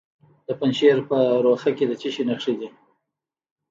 د پنجشیر په روخه کې د څه شي نښې دي؟